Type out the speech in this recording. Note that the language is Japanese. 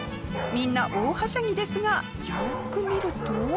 みんな大はしゃぎですがよーく見ると。